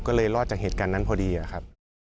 ก็เลยรอดจากเหตุการณ์นั้นพอดีอะครับ